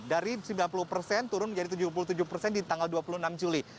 dari sembilan puluh persen turun menjadi tujuh puluh tujuh persen di tanggal dua puluh enam juli